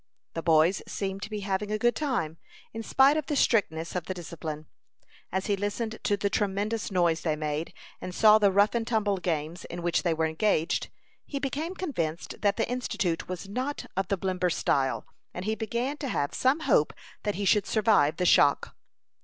The boys seemed to be having a good time, in spite of the strictness of the discipline. As he listened to the tremendous noise they made, and saw the rough and tumble games in which they were engaged, he became convinced that the Institute was not of the Blember style, and he began to have some hope that he should survive the shock.